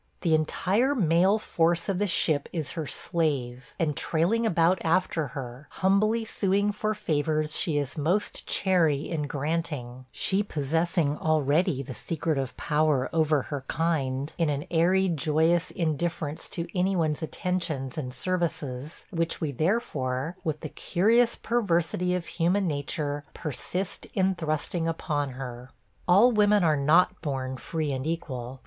The entire male force of the ship is her slave, and trailing about after her, humbly suing for favors she is most chary in granting, she possessing already the secret of power over her kind in an airy, joyous indifference to any one's attentions and services, which we therefore – with the curious perversity of human nature – persist in thrusting upon her. All women are not borne free and equal.